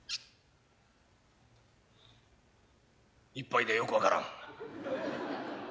１杯ではよく分からん。